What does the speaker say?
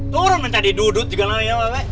turun enggak di duduk juga lagi ya pak rt